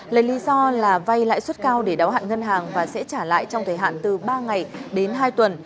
lấy lý do là vay lãi suất cao để đáo hạn ngân hàng và sẽ trả lại trong thời hạn từ ba ngày đến hai tuần